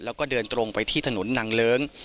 แล้วก็เดินตรงไปที่ถนนนางเลิ้ง